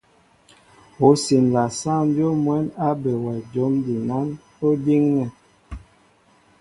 Ó siǹla sáŋ dyów mwɛ̌n á be wɛ jǒm jinán ó díŋnɛ.